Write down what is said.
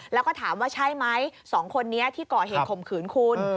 แล้วก็ถามว่าใช่ไหม๒คนนี้ที่ก่อเหตุข่มขืนคุณ